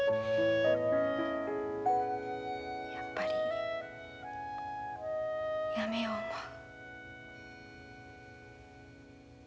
やっぱりやめよう思う。